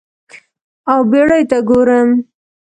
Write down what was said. او بیړیو ته ګورم